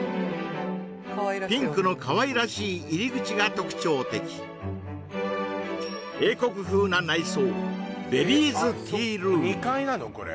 ピンクのかわいらしい入り口が特徴的英国風な内装